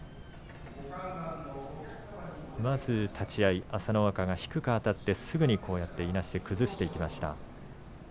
まず立ち合い、朝乃若が低くあたって、すぐに出して崩していきました。